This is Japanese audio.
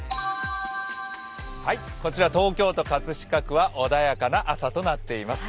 こちら東京都葛飾区は穏やかな朝となっています。